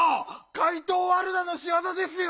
⁉かいとうワルダのしわざですよ！